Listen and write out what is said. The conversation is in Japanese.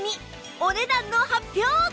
お値段の発表！